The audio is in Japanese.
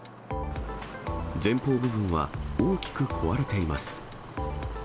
前方部分は大きく壊れています。